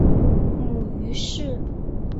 母于氏。